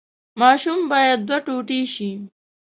ماشوم باید دوه ټوټې شي.